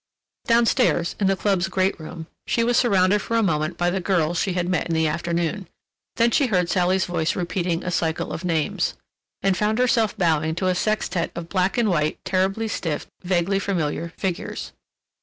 Down stairs, in the club's great room, she was surrounded for a moment by the girls she had met in the afternoon, then she heard Sally's voice repeating a cycle of names, and found herself bowing to a sextet of black and white, terribly stiff, vaguely familiar figures.